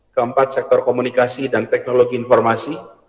keempat sektor komunikasi dan teknologi informasi